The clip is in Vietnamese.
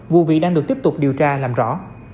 vụ việc đang được tiếp tục điều tra làm rõ